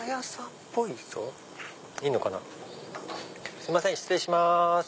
すいません失礼します。